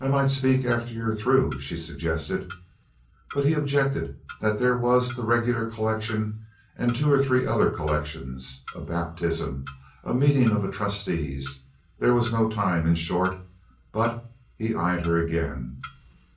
"I might speak after you're through," she suggested. But he objected that there was the regular collection and two or three other collections, a baptism, a meeting of the trustees; there was no time, in short; but he eyed her again.